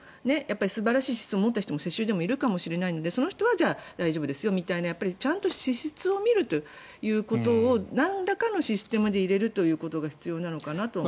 素晴らしい資質を持った人も世襲でもいるかもしれないのでその人は大丈夫ですよみたいな資質を見るということをなんらかのシステムで入れることが大事なのかなと。